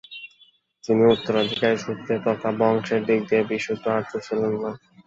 তিনি উত্তরাধিকার সূত্রে তথা বংশের দিক দিয়ে বিশুদ্ধ আর্য ছিলেন না।